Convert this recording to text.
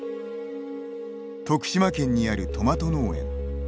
徳島県にあるトマト農園。